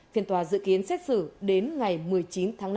phiên tòa dự kiến xét xử đến ngày một mươi chín tháng năm